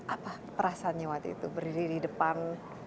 apa perasaannya waktu itu berdiri di depan